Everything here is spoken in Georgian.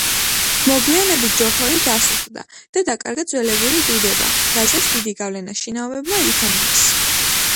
მოგვიანებით ჯოჰორი დასუსტდა და დაკარგა ძველებური დიდება, რაზეც დიდი გავლენა შინაომებმა იქონიეს.